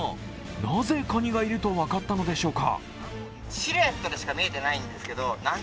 なぜかにがいると分かったのでしょうか。